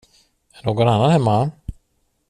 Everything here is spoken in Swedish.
Är någon annan hemma?